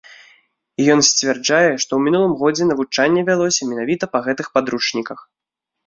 І ён сцвярджае, што ў мінулым годзе навучанне вялося менавіта па гэтых падручніках.